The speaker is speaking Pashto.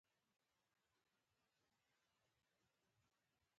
باران د افغانستان د صادراتو یوه مهمه برخه ده.